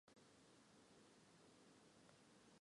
彼女はその事件を、生き生きとした筆致で描写した。